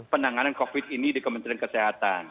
penanganan covid ini di kementerian kesehatan